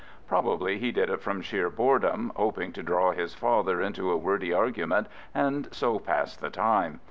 Probably he did it from sheer boredom, hoping to draw his father into a wordy argument and so pass the time.